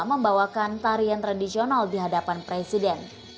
membawakan tarian tradisional di hadapan presiden